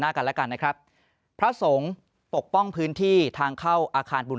กันแล้วกันนะครับพระสงฆ์ปกป้องพื้นที่ทางเข้าอาคารบุญ